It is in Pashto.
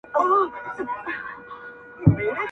نن هغه سالار د بل په پښو كي پروت دئ.!